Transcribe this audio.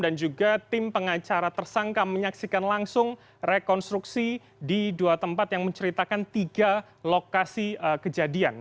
dan juga tim pengacara tersangka menyaksikan langsung rekonstruksi di dua tempat yang menceritakan tiga lokasi kejadian